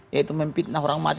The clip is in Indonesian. yaitu mempitnah orang mati